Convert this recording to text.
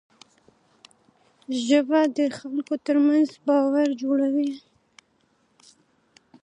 ژبه د خلکو ترمنځ باور جوړوي